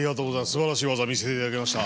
すばらしい技見せて頂きました。